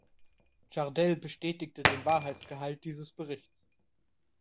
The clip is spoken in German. Jardel bestätigte den Wahrheitsgehalt dieses Berichts.